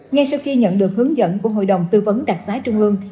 ngay sau khi nhận được hướng dẫn của hội đồng tư vấn đặc xá trung ương